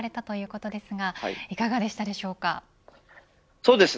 そうですね。